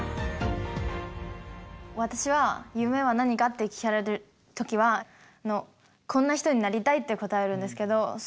私は夢は何かって聞かれる時はこんな人になりたいって答えるんですけど。